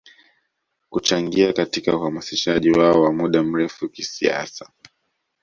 Kuchangia katika uhamasishaji wao wa muda mrefu kisiasa